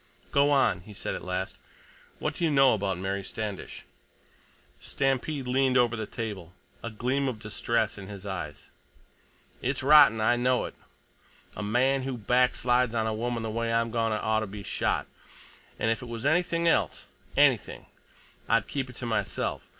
"Go on," he said at last. "What do you know about Mary Standish?" Stampede leaned over the table, a gleam of distress in his eyes. "It's rotten. I know it. A man who backslides on a woman the way I'm goin' to oughta be shot, and if it was anything else—anything—I'd keep it to myself.